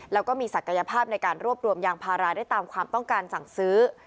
แล้วก็มีศักยภาพในการรวบรวมยางพาราได้ตามความต้องการสั่งซื้อ